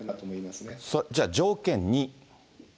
じゃあ、条件２。